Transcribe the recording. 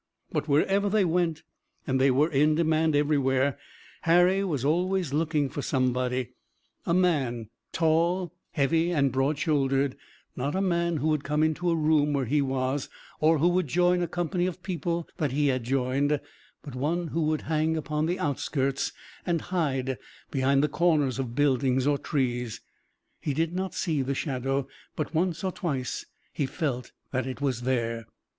But wherever they went, and they were in demand everywhere, Harry was always looking for somebody, a man, tall, heavy and broad shouldered, not a man who would come into a room where he was, or who would join a company of people that he had joined, but one who would hang upon the outskirts, and hide behind the corners of buildings or trees. He did not see the shadow, but once or twice he felt that it was there.